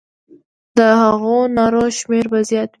د هغو نارو شمېر به زیات وي.